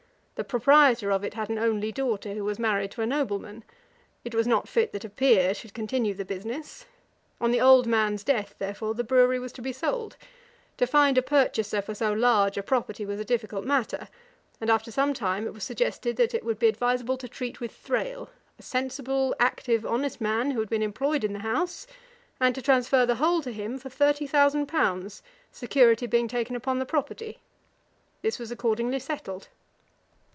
The proprietor of it had an only daughter, who was married to a nobleman. It was not fit that a peer should continue the business. On the old man's death, therefore, the brewery was to be sold. To find a purchaser for so large a property was a difficult matter; and, after some time, it was suggested, that it would be adviseable to treat with Thrale, a sensible, active, honest man, who had been employed in the house, and to transfer the whole to him for thirty thousand pounds, security being taken upon the property. This was accordingly settled.